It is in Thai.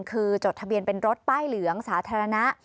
คือจดทะเบียนเป็นรถป้ายเหลืองสาธารณะ